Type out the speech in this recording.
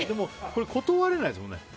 断れないですよね。